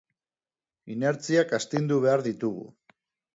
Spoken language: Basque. Inertziak astindu behar ditugu.